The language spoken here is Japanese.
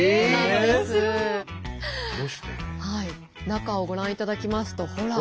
中をご覧いただきますとほら。